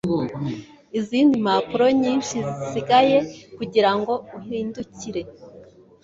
izindi mpapuro nyinshi zisigaye kugirango uhindukire